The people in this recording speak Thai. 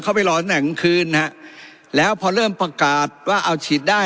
เขาไปรอตำแหน่งคืนฮะแล้วพอเริ่มประกาศว่าเอาฉีดได้